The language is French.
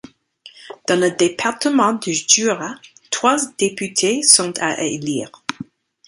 Dans le département du Jura, trois députés sont à élire.